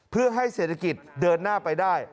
เพื่อให้เศรษฐกิจเดินหน้าไปได้